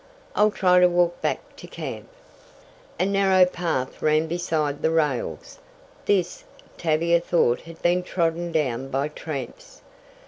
I'll try to walk back to camp." A narrow path ran beside the rails. This, Tavia thought had been trodden down by tramps.